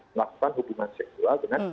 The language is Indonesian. melakukan hubungan seksual dengan